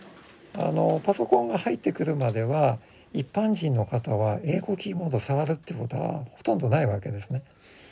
パソコンが入ってくるまでは一般人の方は英語キーボードを触るということはほとんどないわけですね。